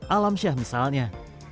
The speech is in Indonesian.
alam syah misalnya